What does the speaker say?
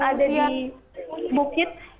sebagian ada di bukit